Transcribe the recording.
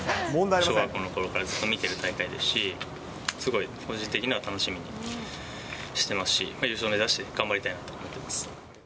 小学校のころからずっと見ている大会ですし、すごい個人的には楽しみにしてますし、優勝目指して頑張りたいなと思っています。